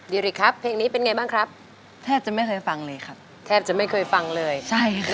ดิริกครับเพลงนี้เป็นไงบ้างครับแทบจะไม่เคยฟังเลยครับแทบจะไม่เคยฟังเลยใช่ค่ะ